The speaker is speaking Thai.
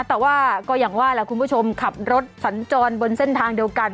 แต่ว่าก็อย่างว่าแหละคุณผู้ชมขับรถสัญจรบนเส้นทางเดียวกัน